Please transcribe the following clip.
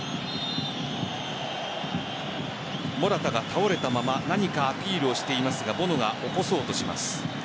モラタが倒れたまま何かアピールをしていますがボノが起こそうとします。